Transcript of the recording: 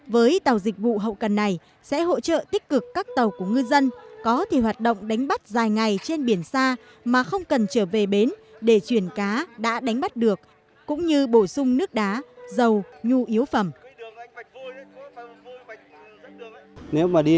với tàu dịch vụ hậu cần này sẽ hỗ trợ tích cực các tàu của ngư dân có thể hoạt động đánh bắt dài ngày trên biển xa mà không cần trở về bến để chuyển cá đã đánh bắt được cũng như bổ sung nước đá dầu nhu yếu phẩm